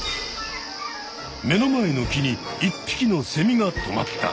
目の前の木に一匹のセミがとまった！